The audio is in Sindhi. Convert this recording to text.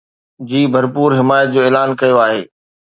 جي ڀرپور حمايت جو اعلان ڪيو آهي